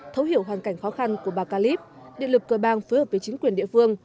thấu hiểu hoàn cảnh khó khăn của bà calip điện lực cờ bang phối hợp với chính quyền địa phương